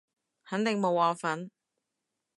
肯定冇我份